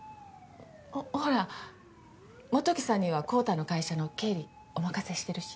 ほほら基樹さんには昂太の会社の経理お任せしてるし。